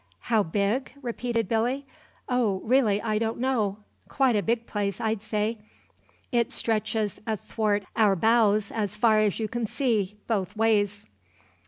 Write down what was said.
"How big?" repeated Billy. "Oh, really I don't know; quite a big place, I'd say. It stretches athwart our bows as far as you can see, both ways."